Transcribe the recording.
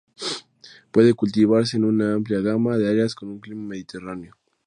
Puede cultivarse en una amplia gama de áreas con un clima mediterráneo.